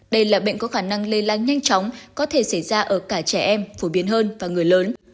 đây là bệnh có khả năng lây lan nhanh chóng có thể xảy ra ở cả trẻ em phổ biến hơn và người lớn